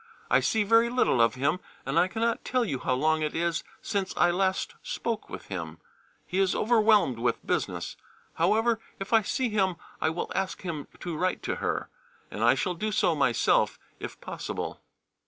I see very little of him, and I cannot tell you how long it is since I last spoke with him: he is overwhelmed with business. However, if I see him I will ask him to write to her, and I shall do so myself, if possible.